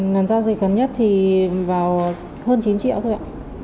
lần giao dịch gần nhất thì vào hơn chín triệu thôi ạ